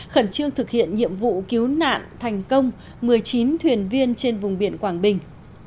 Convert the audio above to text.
khẩn trương thực hiện nhiệm vụ cứu nạn thành công một mươi chín thuyền viên trên vùng biển quảng bình